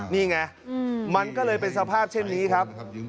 นี่ไงมันก็เลยเป็นสภาพเช่นนี้ครับ